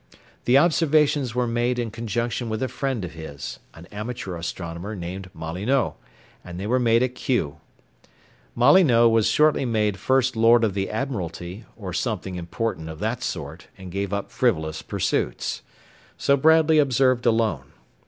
The observations were made in conjunction with a friend of his, an amateur astronomer named Molyneux, and they were made at Kew. Molyneux was shortly made First Lord of the Admiralty, or something important of that sort, and gave up frivolous pursuits. So Bradley observed alone.